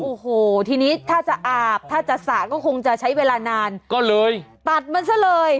โอ้โหทีนี้ถ้าจะอาบถ้าจะสระก็คงจะใช้เวลานานก็เลยตัดมันซะเลย